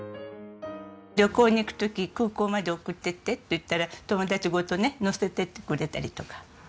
旅行に行く時空港まで送っていってって言ったら友達ごとね乗せていってくれたりとか。